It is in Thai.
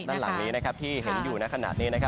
ด้านหลังนี้ที่เห็นอยู่ในขณะนี้